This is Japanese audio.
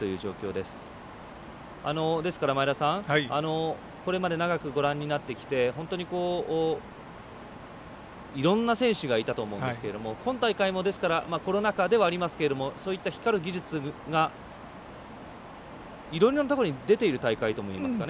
ですから、これまで長くご覧になってきて、本当にいろんな選手がいたと思うんですけど今大会もコロナ禍ではありますがそういった光る技術がいろいろなところに出ている大会ともいえますかね。